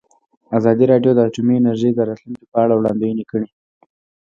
ازادي راډیو د اټومي انرژي د راتلونکې په اړه وړاندوینې کړې.